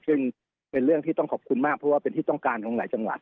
ซึ่งเป็นเรื่องที่ต้องขอบคุณมากเพราะว่าเป็นที่ต้องการของหลายจังหวัด